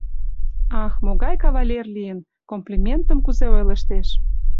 — Ах, могай кавалер лийын, комплиментым кузе ойлыштеш!